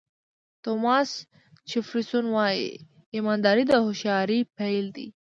توماس جیفرسون وایي ایمانداري د هوښیارۍ پیل دی.